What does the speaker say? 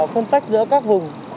phân tách giữa các vùng